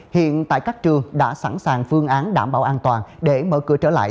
hiện tại các trường đã sẵn sàng phương án đảm bảo an toàn để mở cửa trở lại